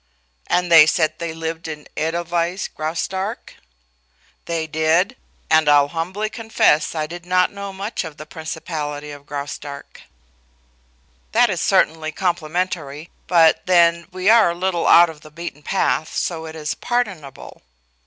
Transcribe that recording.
"And they said they lived in Edelweiss, Graustark?" "They did, and I'll humbly confess I did not know much of the principality of Graustark." "That is certainly complimentary, but, then, we are a little out of the beaten path, so it is pardonable.